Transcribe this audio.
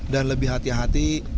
dan lebih hati hati